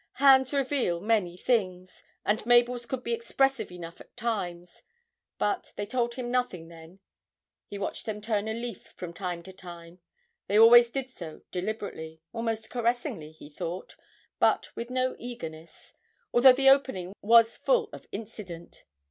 Hands reveal many things, and Mabel's could be expressive enough at times but they told him nothing then; he watched them turn a leaf from time to time, they always did so deliberately, almost caressingly, he thought, but with no eagerness although the opening was full of incident.